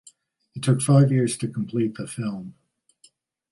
It took five years to complete the film.